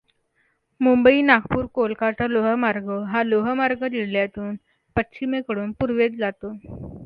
मुंबई नागपूर कोलकाता लोहमार्ग हा लोहमार्ग जिल्ह्यातून पश्चिमेकडून पूर्वेस जातो.